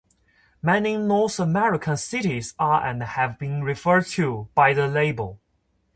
Many North American cities are and have been referred to by the label.